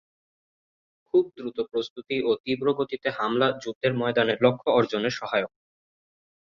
খুব দ্রুত প্রস্তুতি ও তীব্র গতিতে হামলা যুদ্ধের ময়দানে লক্ষ্য অর্জনের সহায়ক।